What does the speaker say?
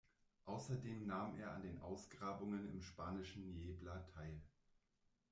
Außerdem nahm er an den Ausgrabungen im spanischen Niebla teil.